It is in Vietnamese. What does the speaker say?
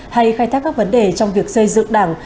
hay khai thác các vấn đề trong việc xây dựng đảng